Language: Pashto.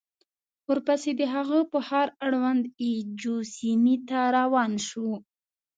ورپسې د هه چه ښار اړوند اي جو سيمې ته روان شوو.